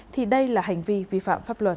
thì đây là hành vi vi phạm pháp luật